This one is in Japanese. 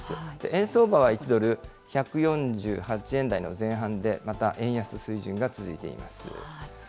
円相場は１ドル１４８円台の前半で、また円安水準が続いています。